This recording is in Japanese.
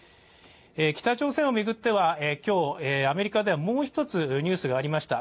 北朝鮮を巡っては今日アメリカではもう一つニュースがありました。